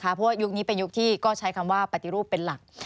เพราะว่ายุคนี้เป็นยุคที่ก็ใช้คำว่าปฏิรูปเป็นหลัก